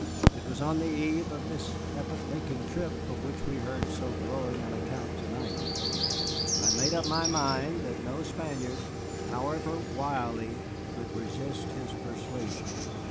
It was on the eve of this epoch making trip of which we heard so glowing an account to night, and I made up my mind that no Spaniard, however wily, could resist his persuasion.